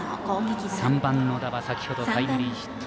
３番、野田は先程タイムリーヒット。